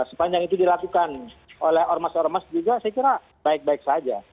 sepanjang itu dilakukan oleh ormas ormas juga saya kira baik baik saja